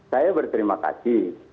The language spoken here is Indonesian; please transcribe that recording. saya berterima kasih